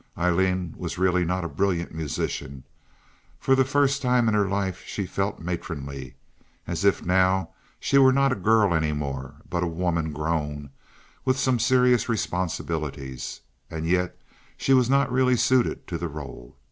Aileen was really not a brilliant musician. For the first time in her life she felt matronly—as if now she were not a girl any more, but a woman grown, with some serious responsibilities, and yet she was not really suited to the role.